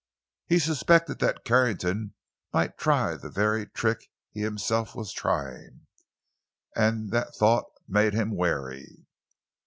He suspected that Carrington might try the very trick he himself was trying, and that thought made him wary.